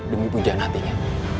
demi punjauan hatinya